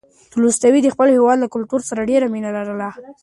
تولستوی د خپل هېواد له کلتور سره ډېره مینه لرله.